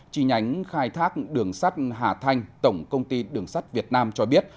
chi nhánh khai thác đường sắt hà thanh tổng công ty đường sắt việt nam cho biết